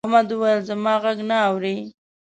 احمد وويل: زما غږ نه اوري.